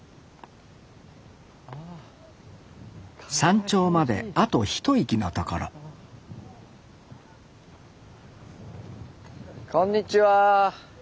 山頂まであと一息のところこんにちは。